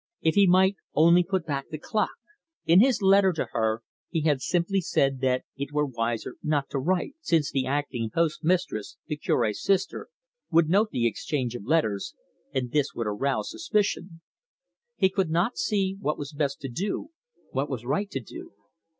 If he might only put back the clock! In his letter to her he had simply said that it were wiser not to write, since the acting postmistress, the Cure's sister, would note the exchange of letters, and this would arouse suspicion. He could not see what was best to do, what was right to do.